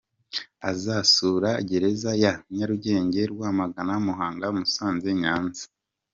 Azasura gereza ya Nyarugenge, Rwamagana, Muhanga, Musanze, Nyanza.